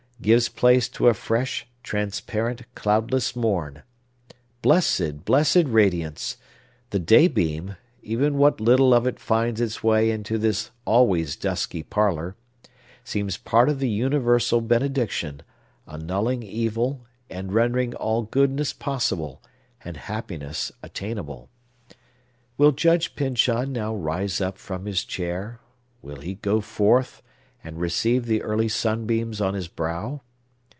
—gives place to a fresh, transparent, cloudless morn. Blessed, blessed radiance! The daybeam—even what little of it finds its way into this always dusky parlor—seems part of the universal benediction, annulling evil, and rendering all goodness possible, and happiness attainable. Will Judge Pyncheon now rise up from his chair? Will he go forth, and receive the early sunbeams on his brow?